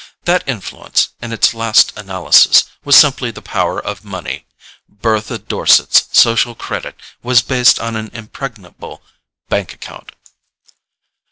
That influence, in its last analysis, was simply the power of money: Bertha Dorset's social credit was based on an impregnable bank account.